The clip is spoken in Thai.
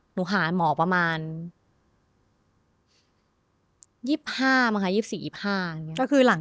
หนูหาหมอประมาณ